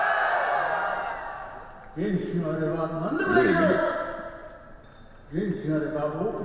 元気があればなんでもできる！